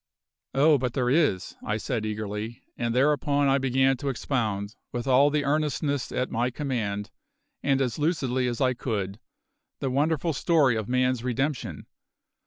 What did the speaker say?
"Oh, but there is," I said eagerly, and thereupon I began to expound, with all the earnestness at my command, and as lucidly as I could, the wonderful story of man's redemption.